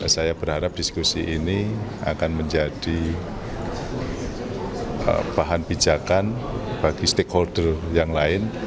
saya berharap diskusi ini akan menjadi bahan bijakan bagi stakeholder yang lain